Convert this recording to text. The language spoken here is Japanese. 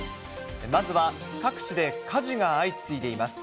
まずは各地で火事が相次いでいます。